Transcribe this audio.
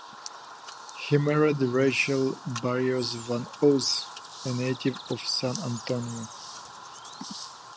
He married Rachel Barrios-Van Os, a native of San Antonio.